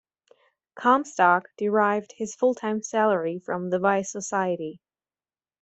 Comstock derived his full-time salary from the vice society.